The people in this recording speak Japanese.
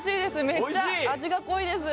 めっちゃ味が濃いです